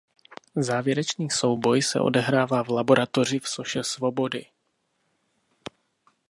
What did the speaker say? Závěrečný souboj se odehrává v laboratoři v Soše Svobody.